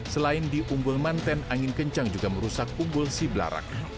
selain di umbul mantan angin kencang juga merusak unggul si belarak